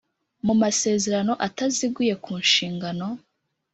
Mu masezerano ataziguye ku nshingano